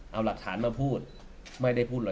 เอาหลักฐานมาพูดไม่ได้พูดเลย